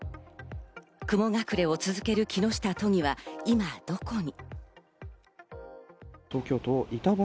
雲隠れを続ける木下都議は今どこに？